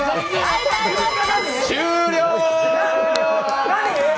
終了！